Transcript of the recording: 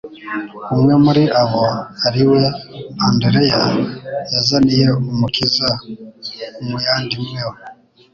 Umwe muri abo ari we Andreya yazaniye Umukiza umuyandimwe we.